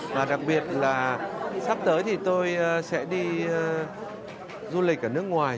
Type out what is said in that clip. và đặc biệt là sắp tới thì tôi sẽ đi du lịch ở nước ngoài